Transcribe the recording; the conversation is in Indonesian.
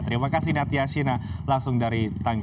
terima kasih naty ashina langsung dari tangga